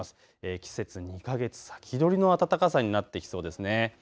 季節２か月先取りの暖かさになってきそうですね。